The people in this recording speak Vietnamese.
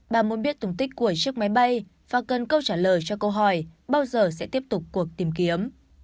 bà muốn biết tùng tích của chiếc máy bay và cần câu trả lời cho câu hỏi bao giờ sẽ tiếp tục cuộc tìm kiếm